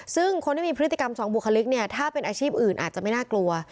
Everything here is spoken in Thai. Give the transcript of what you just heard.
ซึ่งคนที่มีพฤติกรรมสองบุคลิกเนี่ยถ้าเป็นอาชีพอื่นอาจจะไม่น่ากลัว